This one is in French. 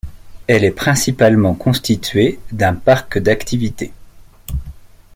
Elle est principalement constitué d'un parc d'activité.